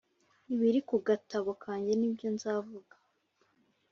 Ibiri kugatabo kanjye nibyo nzavuga